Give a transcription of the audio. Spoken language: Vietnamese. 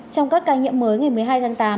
trong các ca nhiễm mới ngày một mươi hai tháng tám